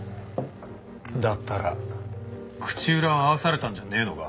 だったら口裏を合わされたんじゃねえのか？